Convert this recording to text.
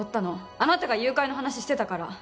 あなたが誘拐の話してたから。